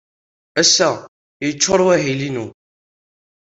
Ass-a, yeccuṛ wahil-inu.